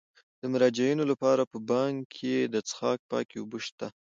د مراجعینو لپاره په بانک کې د څښاک پاکې اوبه شته.